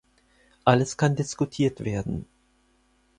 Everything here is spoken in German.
Alles kann diskutiert werden.